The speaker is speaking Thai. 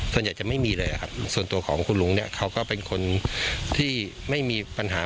ส่วนใหญ่จะไม่มีเลยครับส่วนตัวของคุณลุงเนี่ยเขาก็เป็นคนที่ไม่มีปัญหา